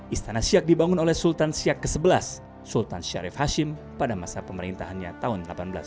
istana siak dibangun oleh sultan siak ke sebelas sultan syarif hashim pada masa pemerintahannya tahun seribu delapan ratus sembilan puluh